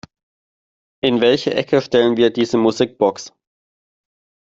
In welche Ecke stellen wir diese Musikbox?